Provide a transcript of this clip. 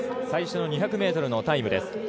最初の２００ｍのタイムです。